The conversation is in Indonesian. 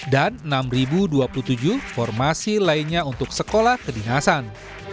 dan enam dua puluh tujuh formasi lainnya untuk sekolah kedinasan